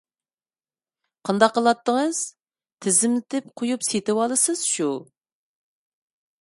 قانداق قىلاتتىڭىز؟ تىزىملىتىپ قويۇپ سېتىۋالىسىز شۇ.